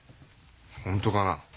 本当かな？